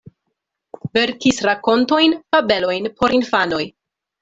Verkis rakontojn, fabelojn por infanoj.